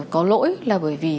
có lỗi là bởi vì